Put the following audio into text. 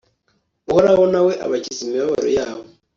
uhoraho na we abakiza imibabaro yabo